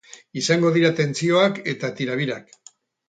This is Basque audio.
Izango dira tentsioak eta tirabirak.